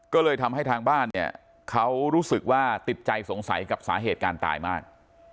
ก็เลยทำให้ทางบ้านเนี่ยเขารู้สึกว่าติดใจสงสัยกับสาเหตุการณ์ตายมาก